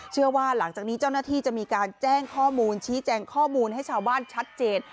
หลังจากนี้เจ้าหน้าที่จะมีการแจ้งข้อมูลชี้แจงข้อมูลให้ชาวบ้านชัดเจน